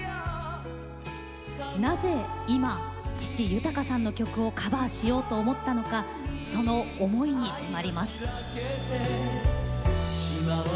なぜ今、父、豊さんの曲をカバーしようと思ったのかその思いに迫ります。